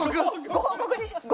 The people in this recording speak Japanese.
「ご報告」にしよう。